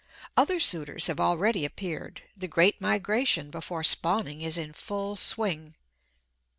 Other suitors have already appeared; the great migration before spawning is in full swing.